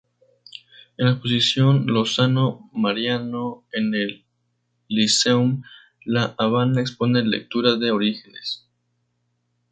En la exposición "Lozano-Mariano" en el Lyceum, La Habana expone "Lectura de orígenes".